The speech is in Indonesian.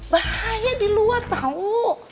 bahaya di luar tau